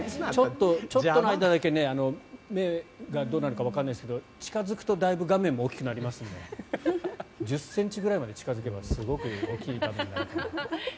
ちょっとの間だけどうなるかわかりませんが近付くとだいぶ画面も大きくなりますので１０ｃｍくらいまで近付けばすごく大きい画面になる。